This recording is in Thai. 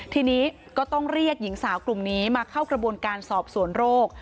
ทีนี้ก็ต้องเรียกหญิงสาวกลุ่มนี้มาเข้ากระบวนการสอบสวนโรค